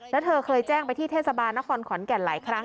แล้วเธอเคยแจ้งไปที่เทศบาลนครขอนแก่นหลายครั้ง